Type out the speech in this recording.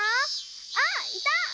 あっいた！